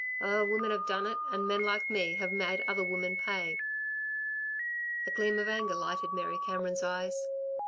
Oh, women have done it, and men like me have made other women pay." A gleam of anger lighted Mary Cameron's eyes.